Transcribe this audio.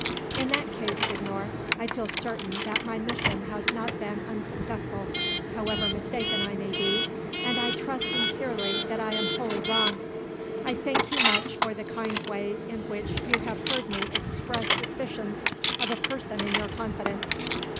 "In that case, signor, I shall feel that my mission has not been unsuccessful, however mistaken I may be, and I trust sincerely that I am wholly wrong. I thank you much for the kind way in which you have heard me express suspicions of a person in your confidence."